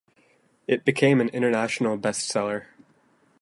It became an international bestseller.